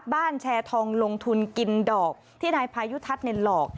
แชร์ทองลงทุนกินดอกที่นายพายุทัศน์หลอก